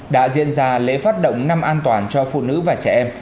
đã diễn ra lễ phát động năm an toàn cho phụ nữ và trẻ em